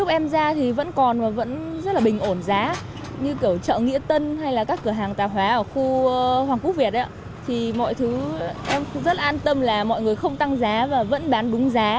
em rất an tâm là mọi người không tăng giá và vẫn bán đúng giá